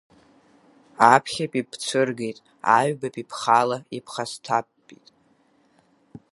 Аԥхьатәи бцәыргеит, аҩбатәи бхала иԥхасҭабтәит.